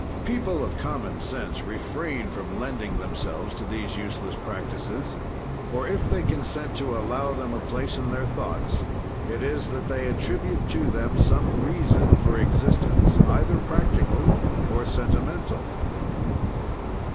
"People of common sense refrain from lending themselves to these useless practises, or, if they consent to allow them a place in their thoughts it is that they attribute to them some reason for existence, either practical or sentimental."